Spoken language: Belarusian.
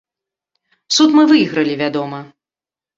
Суд мы выйгралі, вядома.